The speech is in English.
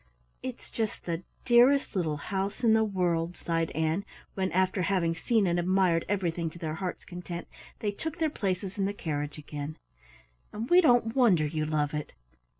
"It's just the dearest little house in the world," sighed Ann, when, after having seen and admired everything to their heart's content, they took their places in the carriage again, "and we don't wonder you love it!